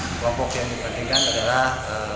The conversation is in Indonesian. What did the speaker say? kelompok yang dipertandingkan adalah